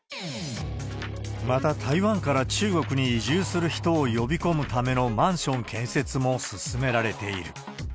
また、台湾から中国に移住する人を呼び込むためのマンション建設も進められている。